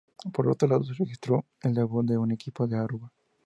Por otro lado, se registró el debut de un equipo de Aruba.